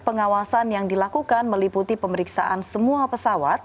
pengawasan yang dilakukan meliputi pemeriksaan semua pesawat